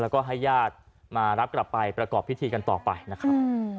แล้วก็ให้ญาติมารับกลับไปประกอบพิธีกันต่อไปนะครับ